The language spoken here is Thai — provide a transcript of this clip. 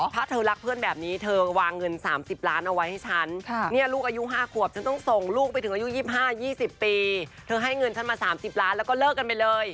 ถ้าเธอรักเพื่อนแบบนี้เธอวางเงิน๓๐ล้านเอาไว้ให้ฉันเนี่ยลูกอายุ๕ขวบฉันต้องส่งลูกไปถึงอายุ๒๕๒๐ปีเธอให้เงินฉันมา๓๐ล้านแล้วก็เลิกกันไปเลย